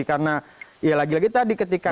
karena lagi lagi tadi ketika